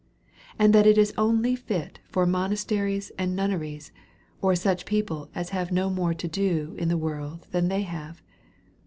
And that it is only fit for monasteries and nunneries, or such people as have no more to do in the world than they have.